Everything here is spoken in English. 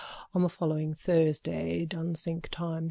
on the following Thursday, Dunsink time.